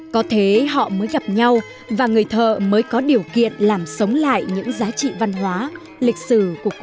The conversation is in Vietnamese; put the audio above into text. có thế họ mới gặp nhau và người thợ mới có điều kiện làm sống lại những giá trị văn hóa lịch sử của cuộc đời